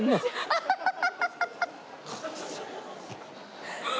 アハハハ